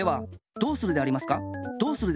どうするでありますか？